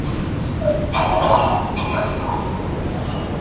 帕金是一个位于美国阿肯色州克罗斯县的城市。